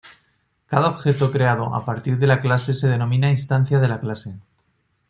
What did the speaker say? Cada objeto creado a partir de la clase se denomina instancia de la clase.